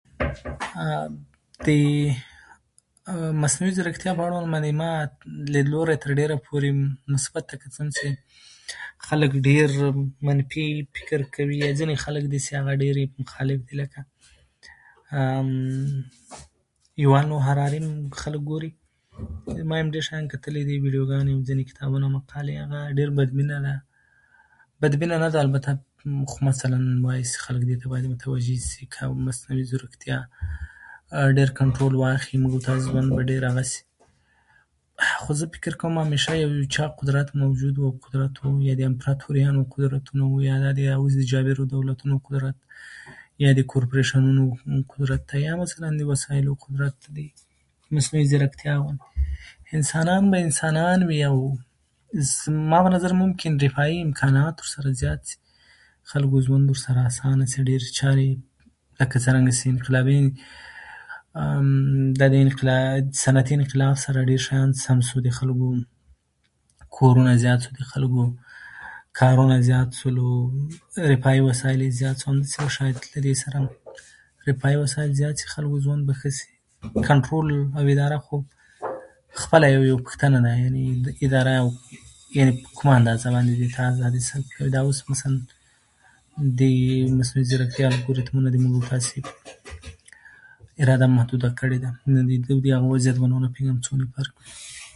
هغه ولس چې په خپل مټ خپله ولسواکي ساتي تل به يي هسک د وياړ په ستورو روښانه وي